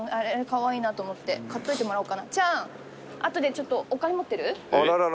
ちょっとお金持ってる？